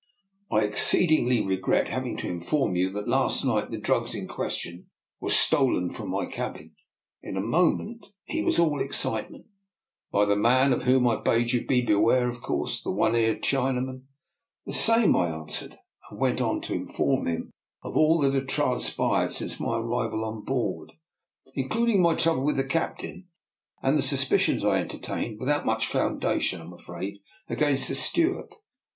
" I exceedingly regret having to inform you that last night the drugs in question were stolen from my cabin." In a moment he was all excitement. " By the man of whom I bade you beware, of course — the one eared Chinaman? " The same," I answered; and went on to (( I30 DR. NIKOLA'S EXPERIMENT. inform him of all that had transpired since my arrival on board, including my trouble with the captain and the suspicions I entertained, without much foundation Fm afraid, against the steward.